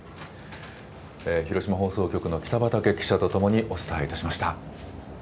広島放送局の北畑記者と共にお伝えいたしました。